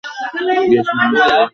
গ্রীসে অনেক দ্বীপ আছে।